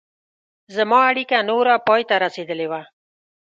زما اړیکه نوره پای ته رسېدلې وه.